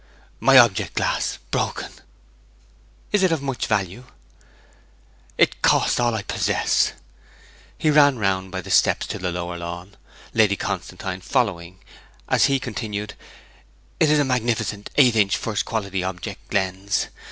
'My object glass broken!' 'Is it of much value?' 'It cost all I possess!' He ran round by the steps to the lower lawn, Lady Constantine following, as he continued, 'It is a magnificent eight inch first quality object lens!